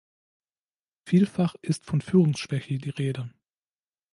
Vielfach ist von Führungsschwäche die Rede.